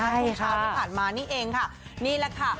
ช่วงเช้าที่ผ่านมานี่เองค่ะนี่แหละค่ะ